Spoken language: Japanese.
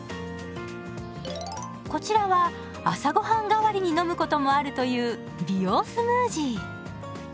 こちらは朝ごはん代わりに飲むこともあるという美容スムージー。